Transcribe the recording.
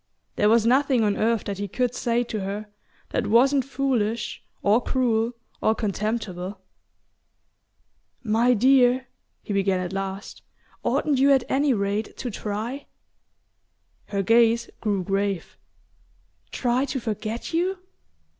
There was nothing on earth that he could say to her that wasn't foolish or cruel or contemptible... "My dear," he began at last, "oughtn't you, at any rate, to try?" Her gaze grew grave. "Try to forget you?"